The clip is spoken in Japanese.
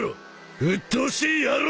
うっとうしい野郎だ！